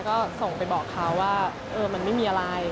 ก็ส่งไปบอกเขาว่ามันไม่มีอะไร